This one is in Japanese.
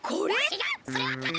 ちがう！